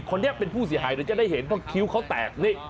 คนนี้เป็นผู้เสียหายเดี๋ยวจะได้เห็นเพราะคิ้วเขาแตกนี่